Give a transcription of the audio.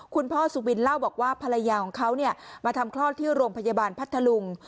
คุณพ่อสุบินเล่าบอกว่าภรรยาของเขามาทำคลอดที่โรงพยาบาลพัทธลุง